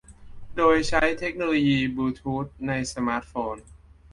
โดยใช้เทคโนโลยีบลูธูทในสมาร์ทโฟน